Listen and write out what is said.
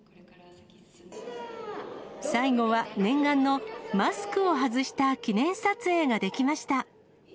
最後は念願のマスクを外した記念撮影ができました。